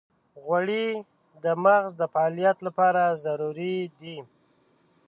غوړې د مغز د فعالیت لپاره ضروري دي.